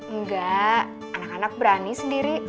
enggak anak anak berani sendiri